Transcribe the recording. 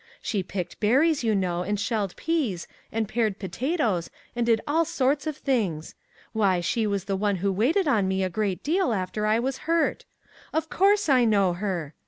She picked berries, you know, and shelled peas, and pared potatoes, and did all sorts of things. Why, she was the one who waited on me a great deal, after I was hurt; of course I know her.